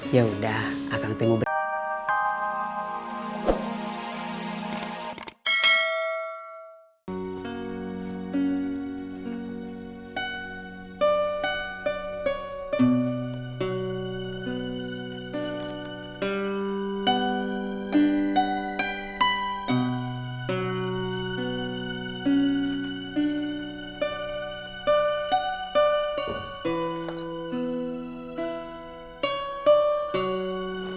yaudah akang tengok beres